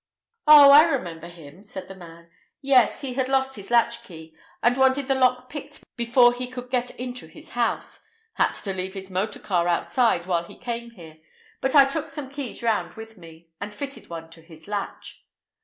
"Oh, I remember him!" said the man. "Yes, he had lost his latchkey, and wanted the lock picked before he could get into his house. Had to leave his motor car outside while he came here. But I took some keys round with me, and fitted one to his latch."